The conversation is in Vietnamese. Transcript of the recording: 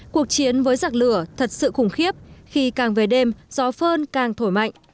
cuộc chiến với giặc lửa thật sự khủng khiếp khi càng về đêm gió phơn càng thổi mạnh